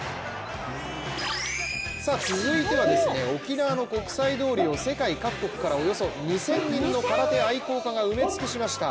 続いては沖縄の国際通りを世界各国からおよそ２０００人の空手愛好家が埋め尽くしました。